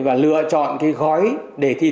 và lựa chọn cái gói đề thi thử